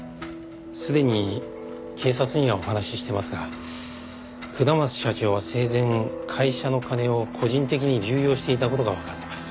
すでに警察にはお話ししていますが下松社長は生前会社の金を個人的に流用していた事がわかっています。